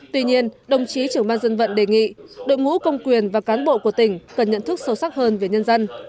tuy nhiên đồng chí trưởng ban dân vận đề nghị đội ngũ công quyền và cán bộ của tỉnh cần nhận thức sâu sắc hơn về nhân dân